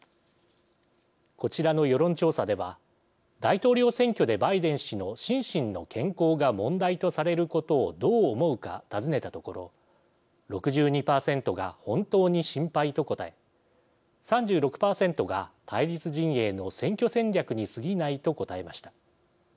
こちらの世論調査では大統領選挙でバイデン氏の心身の健康が問題とされることをどう思うか尋ねたところ６２％が本当に心配と答え３６％が対立陣営の選挙戦略にすぎないと答えました。